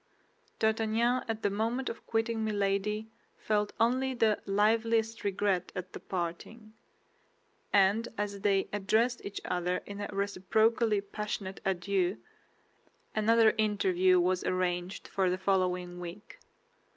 D'Artagnan at the moment of quitting Milady felt only the liveliest regret at the parting; and as they addressed each other in a reciprocally passionate adieu, another interview was arranged for the following week.